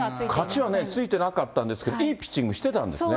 勝ちはね、ついてなかったんですけど、いいピッチングしてたそうですね。